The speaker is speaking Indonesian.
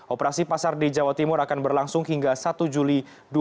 operasi pasar di jawa timur akan berlangsung hingga satu juli dua ribu dua puluh